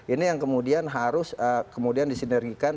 ini yang kemudian harus kemudian disinergikan